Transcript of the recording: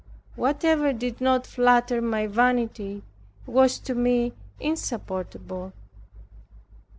Whatever did not flatter my vanity, was to me insupportable.